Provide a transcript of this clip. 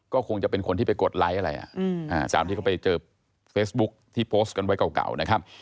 ก็คงจะเป็นคนที่ไปกดไลค์อะไรตามที่เขาไปเจอเฟซบุ๊คที่โพสต์กันไว้เก่านะครับ